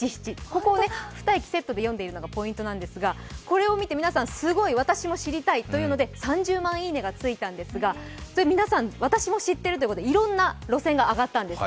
ここ、２駅セットで読んでいるのがポイントなんですが、これを見て皆さん、すごい、私も、すごいと３０万いいねがついたんですが、皆さん、私も知っているということでいろんな路線が挙がったんです。